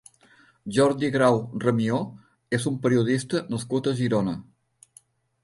Jordi Grau Ramió és un periodista nascut a Girona.